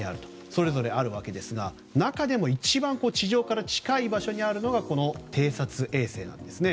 それぞれ、あるわけですが中でも、一番地上から近い場所にあるのが偵察衛星なんですね。